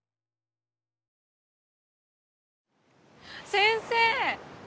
先生！